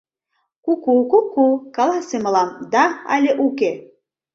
— Куку, куку, каласе мылам: «да» але «уке?»